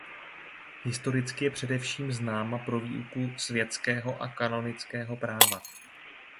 Historicky je především známa pro výuku světského a kanonického práva.